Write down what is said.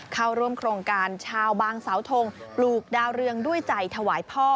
เข้าร่วมโครงการชาวบางสาวทงปลูกดาวเรืองด้วยใจถวายพ่อ